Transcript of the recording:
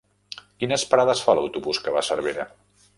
Quines parades fa l'autobús que va a Cervera?